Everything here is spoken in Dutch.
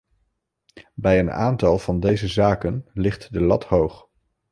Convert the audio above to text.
Bij een aantal van deze zaken ligt de lat hoog.